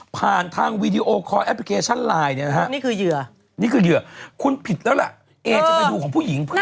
ผ่านทางวีดีโอคอลแอปพลิเคชันไลน์เนี่ยนะครับคุณผิดแล้วแหละเอจะไปดูของผู้หญิงเพื่อ